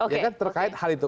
ya kan terkait hal itu